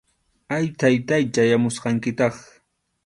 Ay, Taytáy, chayamusqankitaq